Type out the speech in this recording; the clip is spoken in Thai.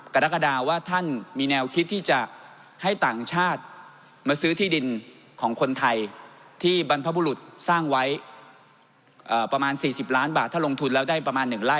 กรกฎาว่าท่านมีแนวคิดที่จะให้ต่างชาติมาซื้อที่ดินของคนไทยที่บรรพบุรุษสร้างไว้ประมาณ๔๐ล้านบาทถ้าลงทุนแล้วได้ประมาณ๑ไร่